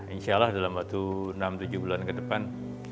insya allah dalam waktu enam tujuh bulan ke depan